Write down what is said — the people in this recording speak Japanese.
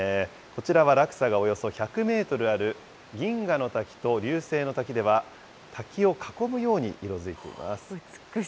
こちらは、落差がおよそ１００メートルある、銀河の滝と流星の滝では、滝を囲むように色づいています。